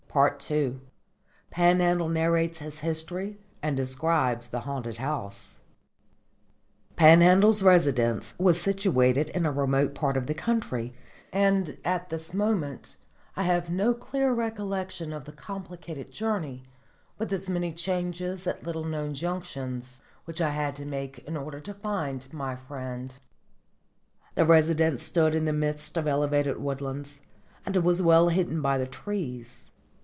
II PANHANDLE NARRATES HIS HISTORY AND DESCRIBES THE HAUNTED HOUSE Panhandle's residence was situated in a remote part of the country, and at this moment I have no clear recollection of the complicated journey, with its many changes at little known junctions, which I had to make in order to find my friend. The residence stood in the midst of elevated woodlands, and was well hidden by the trees.